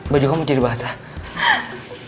baju kamu jadi basah